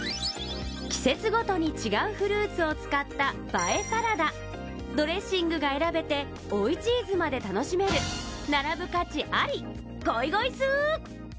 季節ごとに違うフルーツを使った映えサラダドレッシングが選べて追いチーズまで楽しめる並ぶ価値ありゴイゴイスー！